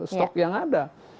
stok yang ada